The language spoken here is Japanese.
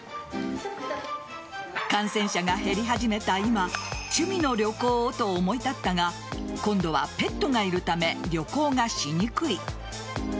感染者が減り始めた今趣味の旅行をと思い立ったが今度はペットがいるため旅行がしにくい。